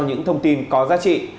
những thông tin có giá trị